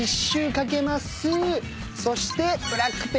そして。